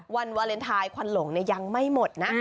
วันวาเลนไทยควันหลงยังไม่หมดนะ